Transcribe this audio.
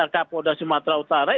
kapolda sumatera utara